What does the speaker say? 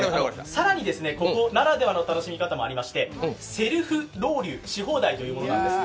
更にここならではの楽しみ方もありまして、セルフロウリュウし放題というものなんです。